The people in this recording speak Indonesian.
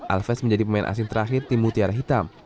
alves menjadi pemain asing terakhir tim mutiara hitam